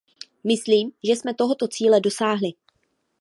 Myslím, že jsme tohoto cíle dosáhli.